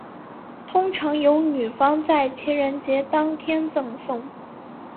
通常由女方在情人节当天赠送。